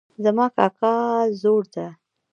زما کاکا زوړ ده